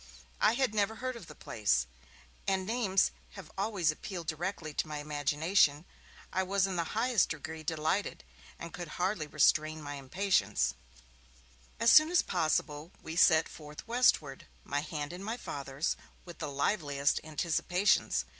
I had never heard of the place, and names have always appealed directly to my imagination. I was in the highest degree delighted, and could hardly restrain my impatience. As soon as possible we set forth westward, my hand in my Father's, with the liveliest anticipations.